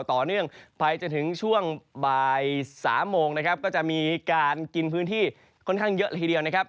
ต่อเนื่องไปจนถึงช่วงบ่ายสามโมงนะครับก็จะมีการกินพื้นที่ค่อนข้างเยอะเลยทีเดียวนะครับ